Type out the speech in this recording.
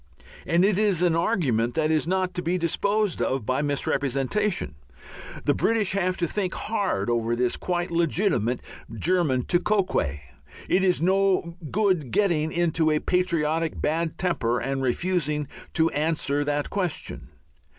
And it is an argument that is not to be disposed of by misrepresentation. The British have to think hard over this quite legitimate German tu quoque. It is no good getting into a patriotic bad temper and refusing to answer that question.